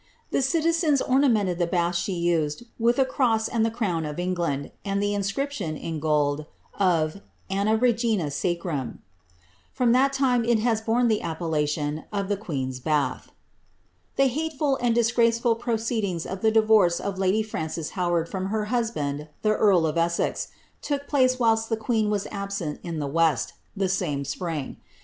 The citizens ornamented the bath she used with a cross and the crown of England, and the inscription, in gold, of ^Anna Regina Sacrum.^ From that time it has borne the appeUatioa of ^ the queenV bath.^ • The hateful and disgraceful proceedings of the divorce of lady Frances Howard from her husband* the earl of Essex, took place whilst the queen was absent in the west, the same spring.